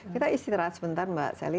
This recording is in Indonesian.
kita istirahat sebentar mbak sally